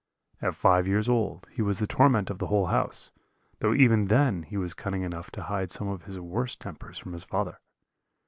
At five years old he was the torment of the whole house, though even then he was cunning enough to hide some of his worst tempers from his father.